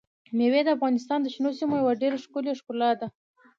مېوې د افغانستان د شنو سیمو یوه ډېره ښکلې ښکلا ده.